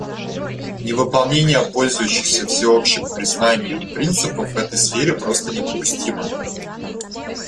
Невыполнение пользующихся всеобщим признанием принципов в этой сфере просто недопустимо.